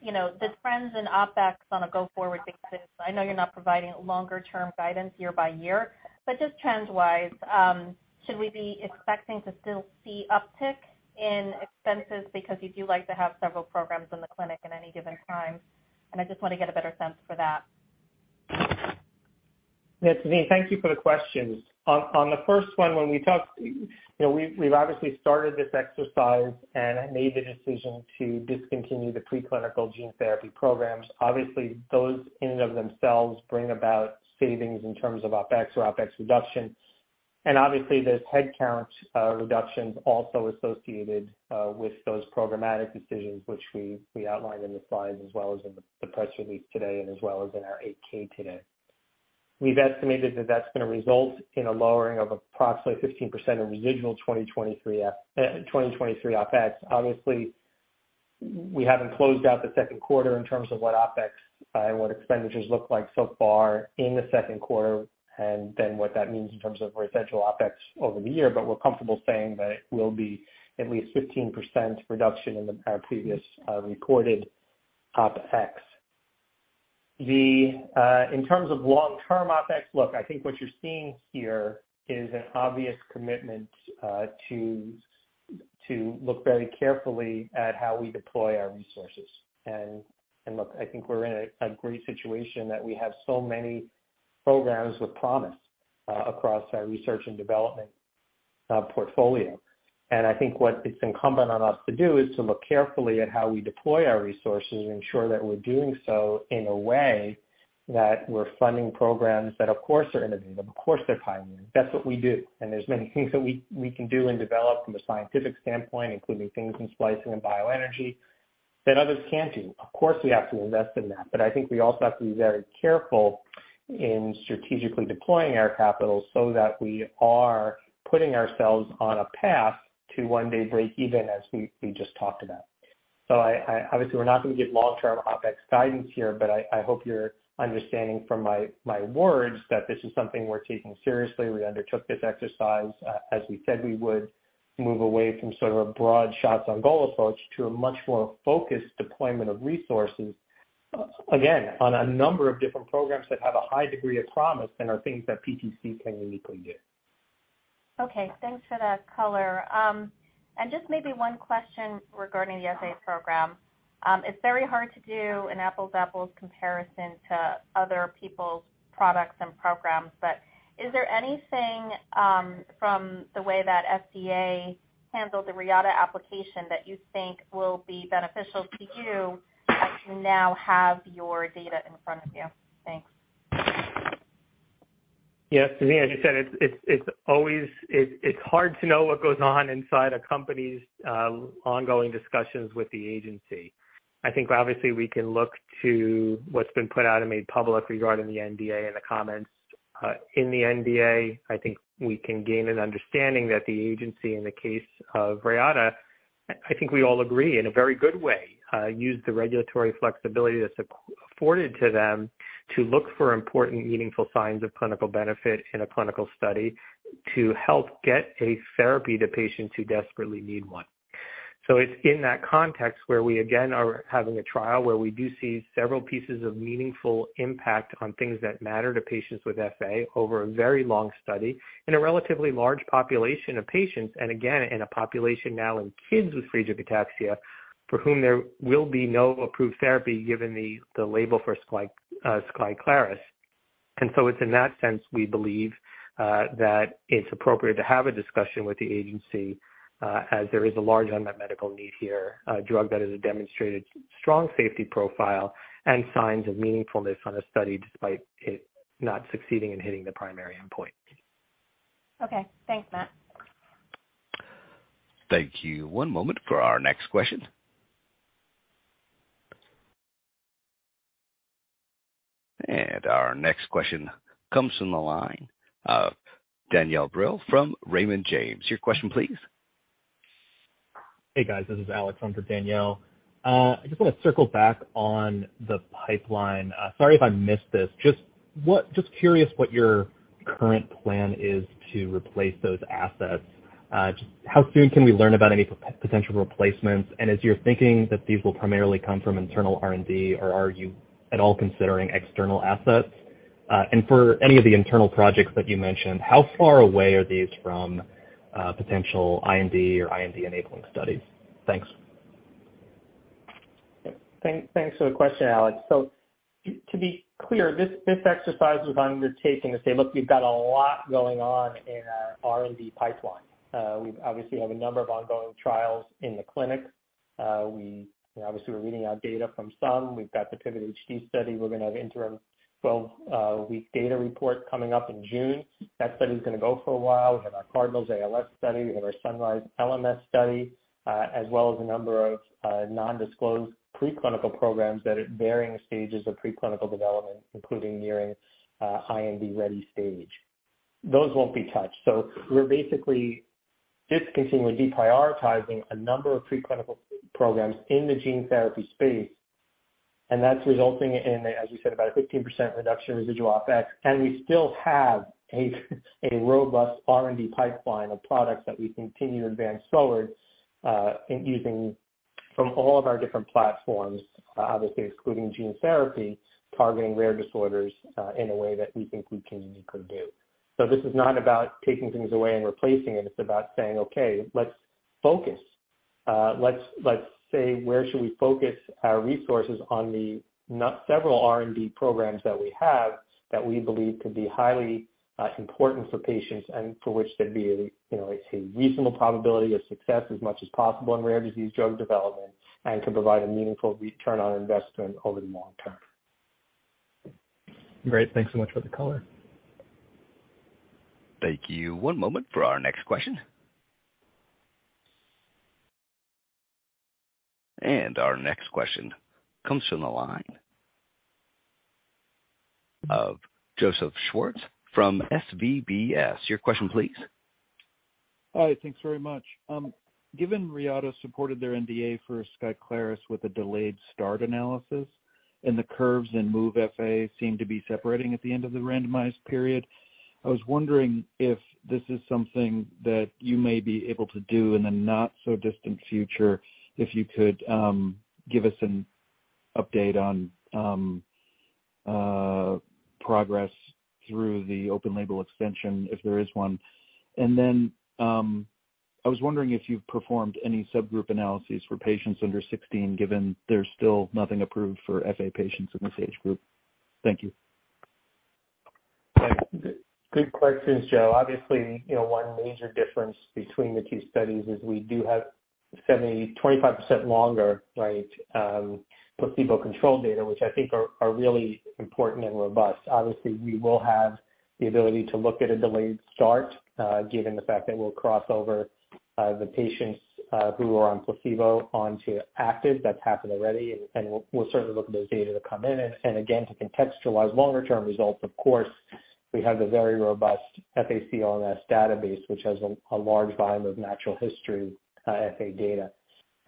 you know, the trends in OpEx on a go-forward basis? I know you're not providing longer-term guidance year by year, but just trends-wise, should we be expecting to still see uptick in expenses because you do like to have several programs in the clinic at any given time? I just wanna get a better sense for that. Yeah, Tazeen, thank you for the questions. On the first one, when we talk, you know, we've obviously started this exercise and made the decision to discontinue the preclinical gene therapy programs. Those in and of themselves bring about savings in terms of OpEx or OpEx reduction. Obviously, there's headcount reductions also associated with those programmatic decisions which we outlined in the slides as well as in the press release today and as well as in our Form 8-K today. We've estimated that that's gonna result in a lowering of approximately 15% of residual 2023 OpEx. We haven't closed out the second quarter in terms of what OpEx, what expenditures look like so far in the second quarter, then what that means in terms of residual OpEx over the year. We're comfortable saying that it will be at least 15% reduction in the, our previous, reported OpEx. In terms of long-term OpEx, look, I think what you're seeing here is an obvious commitment, to look very carefully at how we deploy our resources. Look, I think we're in a great situation that we have so many programs with promise, across our research and development portfolio. I think what it's incumbent on us to do is to look carefully at how we deploy our resources and ensure that we're doing so in a way that we're funding programs that of course are innovative, of course are pioneering. That's what we do. There's many things that we can do and develop from a scientific standpoint, including things in splicing and bioenergy that others can't do. Of course, we have to invest in that. I think we also have to be very careful in strategically deploying our capital so that we are putting ourselves on a path to one day break even as we just talked about. I, obviously we're not gonna give long-term OpEx guidance here, but I hope you're understanding from my words that this is something we're taking seriously. We undertook this exercise, as we said we would move away from sort of a broad shots on goal approach to a much more focused deployment of resources, again, on a number of different programs that have a high degree of promise and are things that PTC can uniquely do. Okay. Thanks for that color. Just maybe one question regarding the FA program. It's very hard to do an apples to apples comparison to other people's products and programs, but is there anything from the way that FDA handled the Reata application that you think will be beneficial to you as you now have your data in front of you? Thanks. Yeah. Tazeen, as you said, it's always, it's hard to know what goes on inside a company's ongoing discussions with the agency. I think obviously we can look to what's been put out and made public regarding the NDA and the comments in the NDA. I think we can gain an understanding that the agency, in the case of Reata, I think we all agree in a very good way, used the regulatory flexibility that's afforded to them to look for important, meaningful signs of clinical benefit in a clinical study to help get a therapy to patients who desperately need one. It's in that context where we again are having a trial where we do see several pieces of meaningful impact on things that matter to patients with FA over a very long study in a relatively large population of patients, and again, in a population now in kids with Friedreich's ataxia, for whom there will be no approved therapy given the label for SKYCLARYS. It's in that sense, we believe that it's appropriate to have a discussion with the agency, as there is a large unmet medical need here, a drug that has a demonstrated strong safety profile and signs of meaningfulness on a study despite it not succeeding in hitting the primary endpoint. Okay. Thanks, Matt. Thank you. One moment for our next question. Our next question comes from the line of Danielle Brill from Raymond James. Your question, please. Hey, guys. This is Alex on for Danielle. I just wanna circle back on the pipeline. Sorry if I missed this. Just curious what your current plan is to replace those assets. Is your thinking that these will primarily come from internal R&D, or are you at all considering external assets? For any of the internal projects that you mentioned, how far away are these from potential IND or IND-enabling studies? Thanks. Thanks for the question, Alex. To be clear, this exercise was undertaken to say, "Look, we've got a lot going on in our R&D pipeline." We obviously have a number of ongoing trials in the clinic. We obviously are reading out data from some. We've got the PIVOT-HD study. We're gonna have interim 12-week data report coming up in June. That study is gonna go for a while. We have our CardinALS study, we have our SUNRISELMS study, as well as a number of non-disclosed preclinical programs that are at varying stages of preclinical development, including nearing IND ready stage. Those won't be touched. We're basically just continuing deprioritizing a number of preclinical programs in the gene therapy space, and that's resulting in, as you said, about a 15% reduction in residual OpEx. We still have a robust R&D pipeline of products that we continue to advance forward in using from all of our different platforms, obviously excluding gene therapy, targeting rare disorders in a way that we think we can uniquely do. This is not about taking things away and replacing it. It's about saying, "Okay, let's focus. Let's say, where should we focus our resources on the not several R&D programs that we have that we believe to be highly important for patients and for which there'd be, you know, a reasonable probability of success as much as possible in rare disease drug development, and can provide a meaningful return on investment over the long term. Great. Thanks so much for the color. Thank you. One moment for our next question. Our next question comes from the line of Joseph Schwartz from SVBS. Your question please. Hi, thanks very much. Given Reata Pharmaceuticals supported their NDA for SKYCLARYS with a delayed start analysis and the curves in MOVE-FA seem to be separating at the end of the randomized period, I was wondering if this is something that you may be able to do in the not so distant future. If you could give us an update on progress through the open label extension, if there is one. I was wondering if you've performed any subgroup analyses for patients under 16, given there's still nothing approved for FA patients in this age group. Thank you. Good questions, Joe. Obviously, you know, one major difference between the two studies is we do have 25% longer, right, placebo-controlled data, which I think are really important and robust. Obviously, we will have the ability to look at a delayed start, given the fact that we'll cross over the patients who are on placebo onto active. That's happened already. We'll certainly look at those data to come in. Again, to contextualize longer term results, of course, we have the very robust FA-COMS database, which has a large volume of natural history, FA data.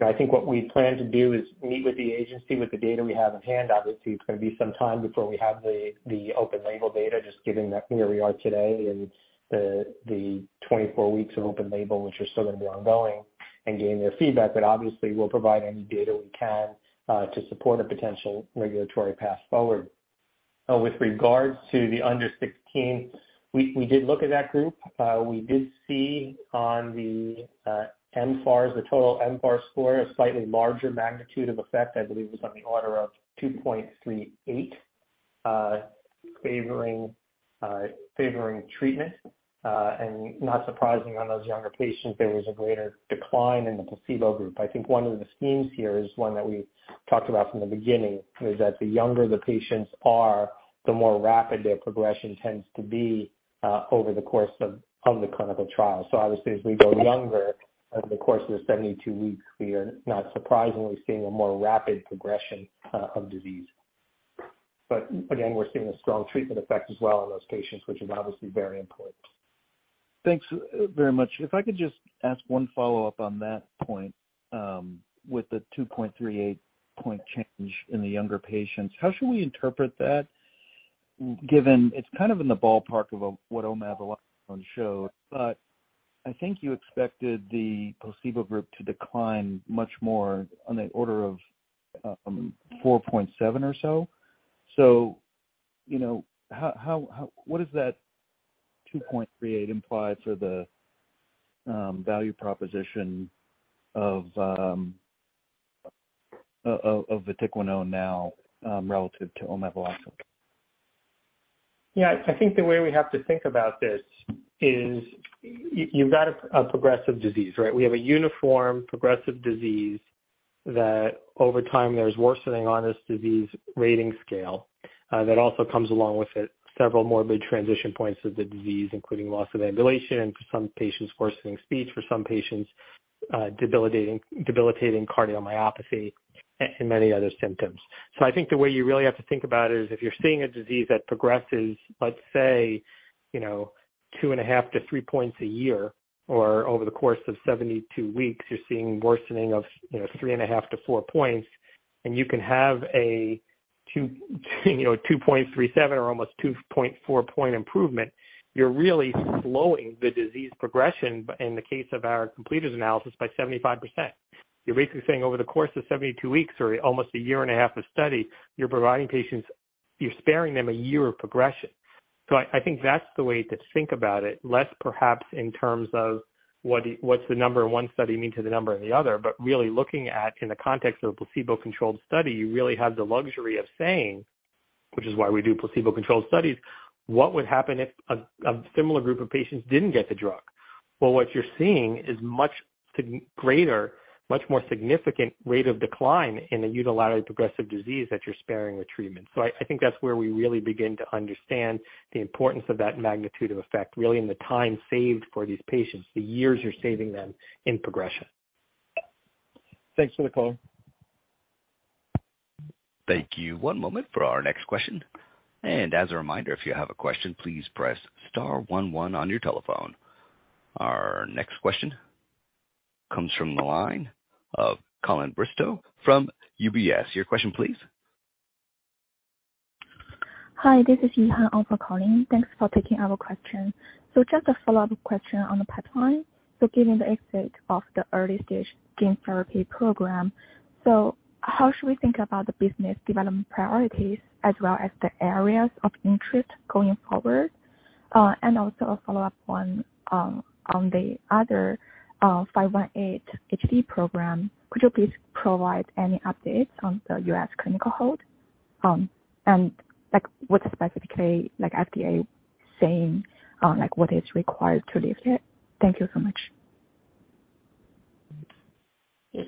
I think what we plan to do is meet with the agency with the data we have in-hand. Obviously, it's gonna be some time before we have the open label data, just given that where we are today and the 24 weeks of open label, which are still gonna be ongoing and gain their feedback. Obviously we'll provide any data we can to support a potential regulatory path forward. With regards to the under 16, we did look at that group. We did see on the mFARS, the total mFARS score, a slightly larger magnitude of effect, I believe, was on the order of 2.38, favoring treatment. Not surprising on those younger patients, there was a greater decline in the placebo group. I think one of the themes here is one that we talked about from the beginning, is that the younger the patients are, the more rapid their progression tends to be, over the course of the clinical trial. Obviously as we go younger over the course of the 72 weeks, we are not surprisingly seeing a more rapid progression of disease. Again, we're seeing a strong treatment effect as well on those patients, which is obviously very important. Thanks very much. If I could just ask one follow-up on that point, with the 2.38 point change in the younger patients, how should we interpret that given it's kind of in the ballpark of what omaveloxolone showed. I think you expected the placebo group to decline much more on the order of 4.7 or so. You know, what does that 2.38 imply for the value proposition of vatiquinone now, relative to omaveloxolone? Yeah. I think the way we have to think about this is you've got a progressive disease, right? We have a uniform progressive disease that over time there's worsening on this disease rating scale, that also comes along with it several morbid transition points of the disease, including loss of ambulation for some patients, worsening speech for some patients, debilitating cardiomyopathy and many other symptoms. I think the way you really have to think about it is if you're seeing a disease that progresses, let's say, you know, 2.5-3 points a year, or over the course of 72 weeks you're seeing worsening of, you know, 3.5-4 points, and you can have a two, you know, 2.37 or almost 2.4 point improvement, you're really slowing the disease progression in the case of our completers analysis by 75%. You're basically saying over the course of 72 weeks or almost a year and a half of study, you're providing patients, you're sparing them a year of progression. I think that's the way to think about it, less perhaps in terms of what's the number in one study mean to the number in the other, but really looking at in the context of a placebo-controlled study, you really have the luxury of saying, which is why we do placebo-controlled studies, what would happen if a similar group of patients didn't get the drug? What you're seeing is much greater, much more significant rate of decline in a unilaterally progressive disease that you're sparing with treatment. I think that's where we really begin to understand the importance of that magnitude of effect, really in the time saved for these patients, the years you're saving them in progression. Thanks for the call. Thank you. One moment for our next question. As a reminder, if you have a question, please press star one one on your telephone. Our next question comes from the line of Colin Bristow from UBS. Your question please. Hi, this is Yihan, also calling. Thanks for taking our question. Just a follow-up question on the pipeline. Given the exit of the early stage gene therapy program, so how should we think about the business development priorities as well as the areas of interest going forward? Also a follow-up one on the other PTC518 HD program. Could you please provide any updates on the U.S. clinical hold? Like what specifically like FDA saying, like what is required to lift it? Thank you so much. Yeah.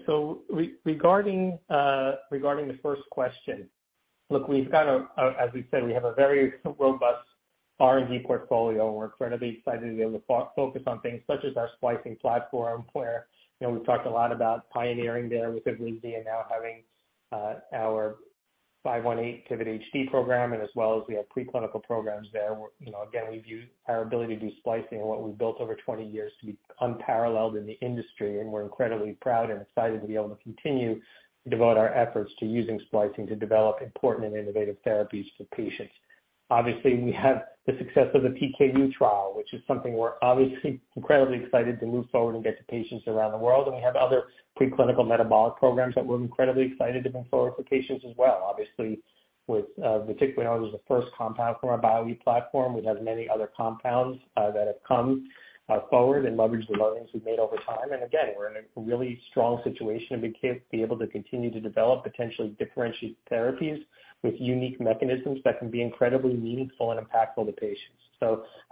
Regarding the first question. Look, as we've said, we have a very robust R&D portfolio, and we're incredibly excited to be able to focus on things such as our splicing platform, where, you know, we've talked a lot about pioneering there with Evrysdi and now having our 518 PIVOT-HD program and as well as we have pre-clinical programs there where, you know, again, we view our ability to do splicing and what we've built over 20 years to be unparalleled in the industry. We're incredibly proud and excited to be able to continue to devote our efforts to using splicing to develop important and innovative therapies for patients. Obviously, we have the success of the PKU trial, which is something we're obviously incredibly excited to move forward and get to patients around the world. We have other pre-clinical metabolic programs that we're incredibly excited to bring forward for patients as well. Obviously, with vatiquinone as the first compound for our Bio-e platform, we've had many other compounds that have come forward and leveraged the learnings we've made over time. Again, we're in a really strong situation and we can't be able to continue to develop potentially differentiated therapies with unique mechanisms that can be incredibly meaningful and impactful to patients.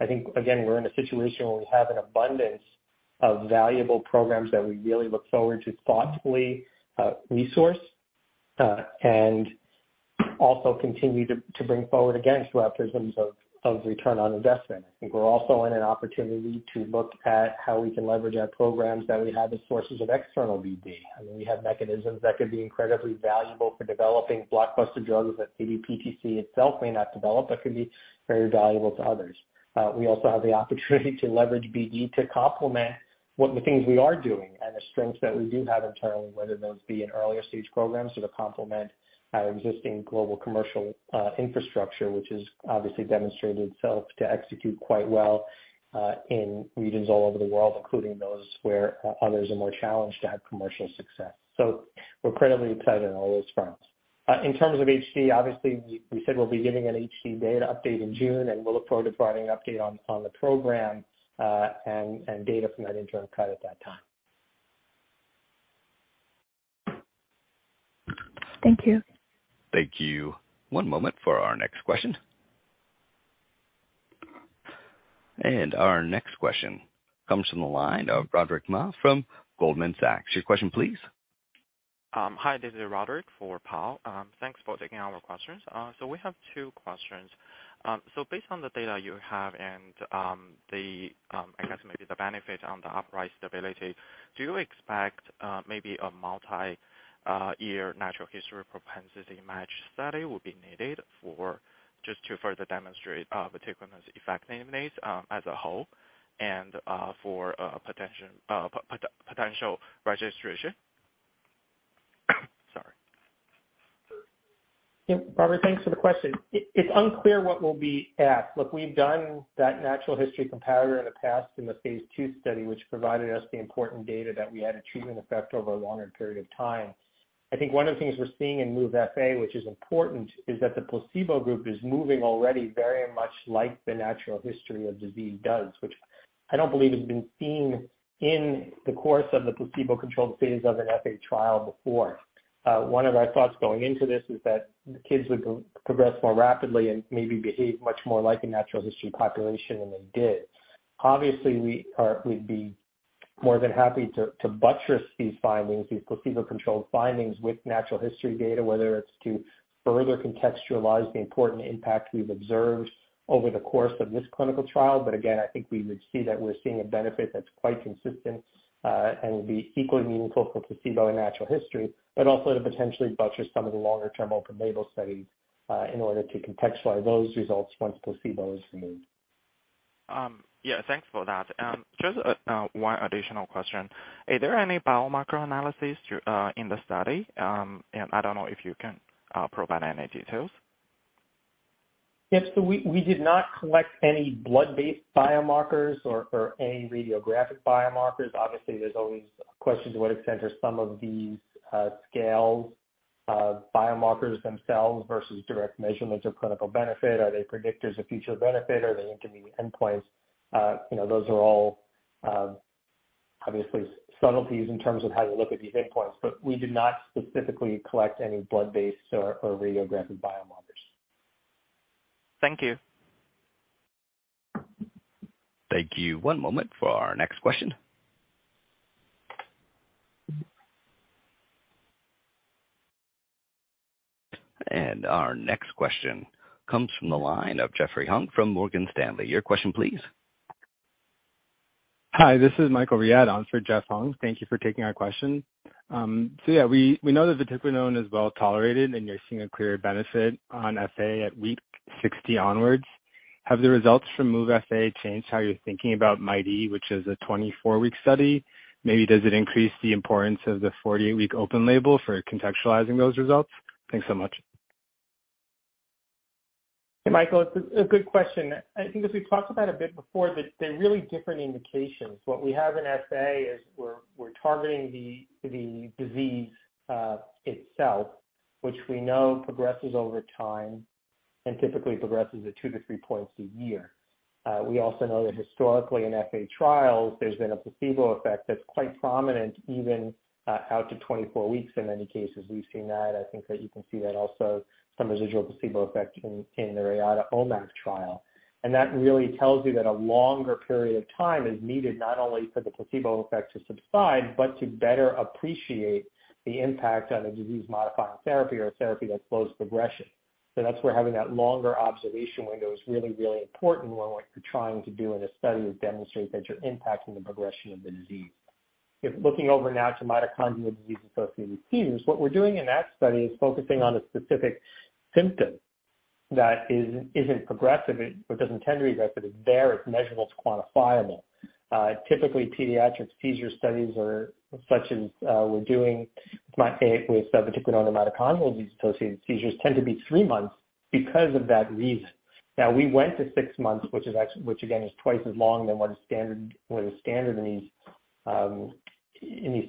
I think again, we're in a situation where we have an abundance of valuable programs that we really look forward to thoughtfully resource and also continue to bring forward, again, through our prisms of return on investment. I think we're also in an opportunity to look at how we can leverage our programs that we have as sources of external BD. I mean, we have mechanisms that could be incredibly valuable for developing blockbuster drugs that maybe PTC itself may not develop, but could be very valuable to others. We also have the opportunity to leverage BD to complement what the things we are doing and the strengths that we do have internally, whether those be in earlier stage programs or to complement our existing global commercial infrastructure, which has obviously demonstrated itself to execute quite well in regions all over the world, including those where others are more challenged to have commercial success. We're incredibly excited on all those fronts. In terms of HD, obviously we said we'll be giving an HD data update in June, and we'll look forward to providing an update on the program and data from that interim cut at that time. Thank you. Thank you. One moment for our next question. Our next question comes from the line of Roderick Ma from Goldman Sachs. Your question please. This is Roderick for Paul. Thanks for taking all our questions. We have two questions. Based on the data you have and the, I guess maybe the benefit on the upright stability, do you expect maybe a multi-year natural history propensity match study will be needed just to further demonstrate vatiquinone's effectiveness as a whole and for potential registration? Sorry. Yeah, Roderick, thanks for the question. It's unclear what we'll be at. Look, we've done that natural history comparator in the past in the Phase 2 study, which provided us the important data that we had a treatment effect over a longer period of time. I think one of the things we're seeing in MOVE-FA, which is important, is that the placebo group is moving already very much like the natural history of disease does, which I don't believe has been seen in the course of the placebo-controlled phase of an FA trial before. One of our thoughts going into this is that the kids would progress more rapidly and maybe behave much more like a natural history population than they did. Obviously, we'd be more than happy to buttress these findings, these placebo-controlled findings with natural history data, whether it's to further contextualize the important impact we've observed over the course of this clinical trial. Again, I think we would see that we're seeing a benefit that's quite consistent, and would be equally meaningful for placebo and natural history, but also to potentially buttress some of the longer term open label studies, in order to contextualize those results once placebo is removed. Yeah, thanks for that. Just one additional question. Are there any biomarker analysis to in the study? I don't know if you can provide any details. Yes. We did not collect any blood-based biomarkers or any radiographic biomarkers. Obviously, there's always questions to what extent are some of these scales, biomarkers themselves versus direct measurements of clinical benefit. Are they predictors of future benefit? Are they intermediate endpoints? You know, those are all obviously subtleties in terms of how you look at these endpoints, but we did not specifically collect any blood-based or radiographic biomarkers. Thank you. Thank you. One moment for our next question. Our next question comes from the line of Jeffrey Hung from Morgan Stanley. Your question please. Hi, this is Michael Riad on for Jeff Hung. Thank you for taking our question. Yeah, we know that vatiquinone is well tolerated, and you're seeing a clear benefit on FA at week 60 onwards. Have the results from MOVE-FA changed how you're thinking about MIGHTy, which is a 24-week study? Maybe does it increase the importance of the 40-week open label for contextualizing those results? Thanks so much. Hey, Michael. It's a good question. I think as we've talked about a bit before, that they're really different indications. What we have in FA is we're targeting the disease itself, which we know progresses over time and typically progresses at two to three points a year. We also know that historically in FA trials, there's been a placebo effect that's quite prominent even out to 24 weeks in many cases. We've seen that. I think that you can see that also some residual placebo effect in the Reata mFARS trial. That really tells you that a longer period of time is needed, not only for the placebo effect to subside, but to better appreciate the impact on a disease-modifying therapy or a therapy that slows progression. That's where having that longer observation window is really, really important when what you're trying to do in a study is demonstrate that you're impacting the progression of the disease. Looking over now to mitochondrial disease-associated seizures, what we're doing in that study is focusing on a specific symptom that isn't progressive. It doesn't tend to regress, but it's there, it's measurable, it's quantifiable. Typically pediatric seizure studies are such as we're doing with vatiquinone mitochondrial disease-associated seizures tend to be three months because of that reason. We went to six months, which again is twice as long than what is standard in these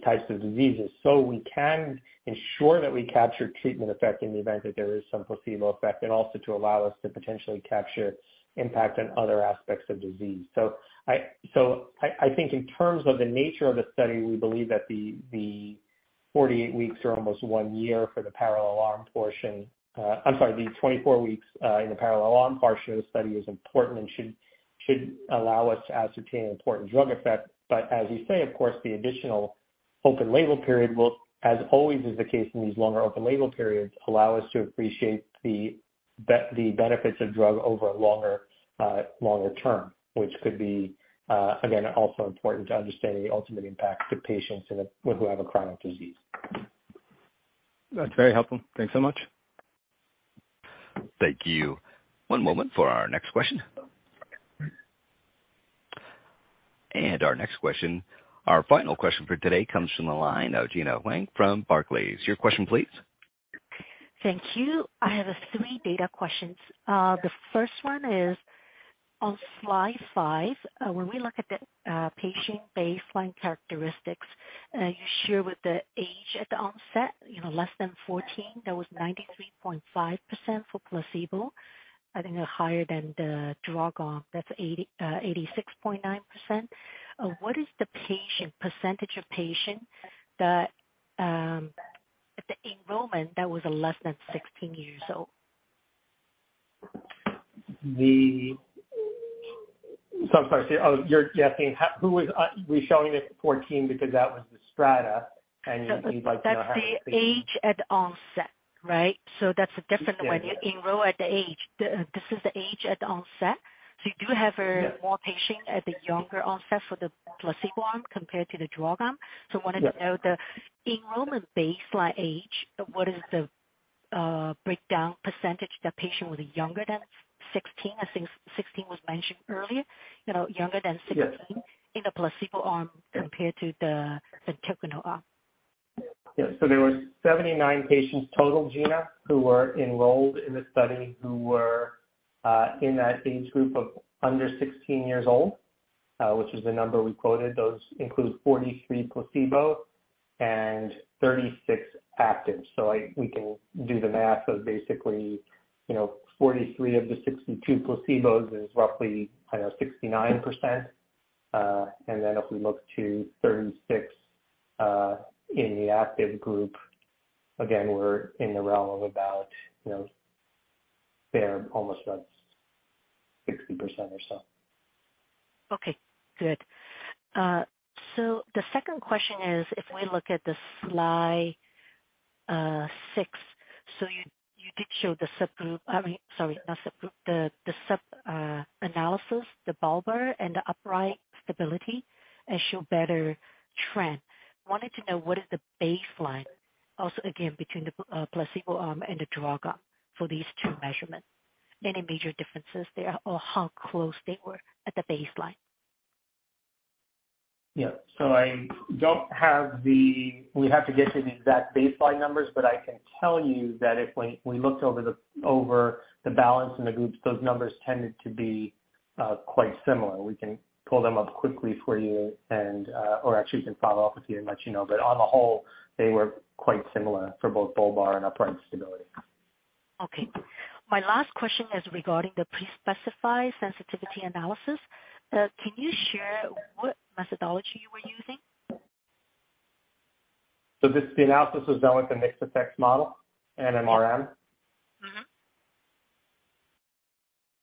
types of diseases. We can ensure that we capture treatment effect in the event that there is some placebo effect and also to allow us to potentially capture impact on other aspects of disease. I think in terms of the nature of the study, we believe that the 48 weeks or almost one year for the parallel arm portion. I'm sorry, the 24 weeks in the parallel arm portion of the study is important and should allow us to ascertain an important drug effect. As you say, of course, the additional open label period will, as always is the case in these longer open label periods, allow us to appreciate the benefits of drug over a longer term, which could be again, also important to understanding the ultimate impact to patients with who have a chronic disease. That's very helpful. Thanks so much. Thank you. One moment for our next question. Our next question, our final question for today comes from the line of Gena Wang from Barclays. Your question please. Thank you. I have three data questions. The first one is on slide five. When we look at the patient baseline characteristics, you share with the age at the onset, you know, less than 14, that was 93.5% for placebo. I think higher than the drug arm. That's 86.9%. What is the percentage of patient that at the enrollment that was less than 16 years old? I'm sorry. You're asking who was. We're showing it 14 because that was the strata. You'd like to know. That's the age at onset, right? That's different- Yes, yes. When you enroll at the age. This is the age at onset. you do have Yes. More patient at the younger onset for the placebo arm compared to the drug arm. Yes. Wanted to know the enrollment baseline age, what is the breakdown percentage that patient was younger than 16? I think 16 was mentioned earlier, you know, younger than 16. Yes. In the placebo arm compared to the vatiquinone arm. Yeah. There were 79 patients total, Gena, who were enrolled in the study, who were in that age group of under 16 years old, which is the number we quoted. Those include 43 placebo and 36 active. We can do the math of basically, you know, 43 of the 62 placebos is roughly, I know 69%. If we look to 36 in the active group, again, we're in the realm of about, you know, there almost about 60% or so. Okay, good. The second question is, if we look at the slide six, you did show the subgroup, I mean, sorry, not subgroup, the sub analysis, the bulbar and the upright stability, show better trend. Wanted to know what is the baseline also again between the placebo arm and the drug arm for these two measurements? Any major differences there or how close they were at the baseline? Yeah. I don't have We'd have to get you the exact baseline numbers, but I can tell you that if we looked over the balance in the groups, those numbers tended to be quite similar. We can pull them up quickly for you and or actually can follow up with you and let you know. On the whole, they were quite similar for both bulbar and upright stability. Okay. My last question is regarding the pre-specified sensitivity analysis. Can you share what methodology you were using? This, the analysis was done with a mixed effects model, an MMRM.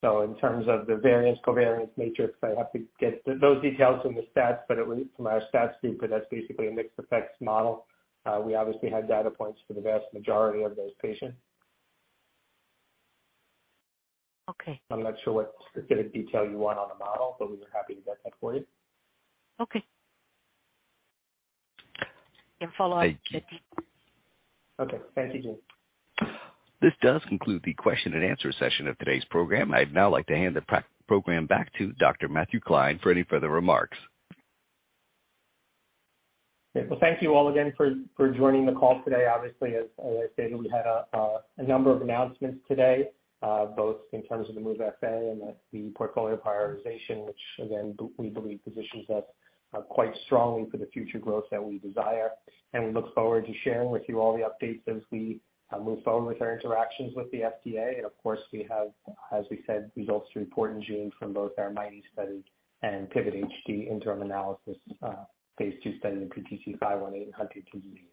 Mm-hmm. In terms of the variance, covariance matrix, I have to get those details from the stats, but it was from our stats group, but that's basically a mixed effects model. We obviously had data points for the vast majority of those patients. Okay. I'm not sure what specific detail you want on the model, but we are happy to get that for you. Okay. No follow-up. Thanks. Okay. Thank you, Gena. This does conclude the question and answer session of today's program. I'd now like to hand the program back to Dr. Matthew Klein for any further remarks. Okay. Well, thank you all again for joining the call today. Obviously, as I stated, we had a number of announcements today, both in terms of the MOVE-FA and the portfolio prioritization, which again, we believe positions us quite strongly for the future growth that we desire. We look forward to sharing with you all the updates as we move forward with our interactions with the FDA. Of course, we have, as we said, results to report in June from both our MIGHTy study and PIVOT-HD interim analysis, Phase 2 study in PTC518 and Huntington's disease.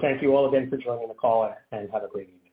Thank you all again for joining the call, and have a great evening.